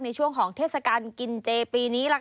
ในช่วงของเทศการกินเจปีนี้ล่ะค่ะ